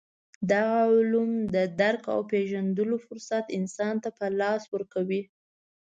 دغه علوم د درک او پېژندلو فرصت انسان ته په لاس ورکوي.